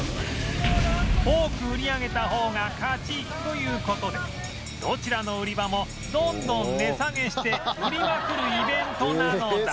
多く売り上げた方が勝ちという事でどちらの売り場もどんどん値下げして売りまくるイベントなのだ